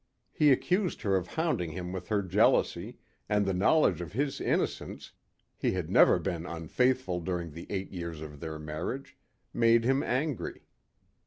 He accused her of hounding him with her jealousy, and the knowledge of his innocence he had never been unfaithful during the eight years of their marriage made him angry.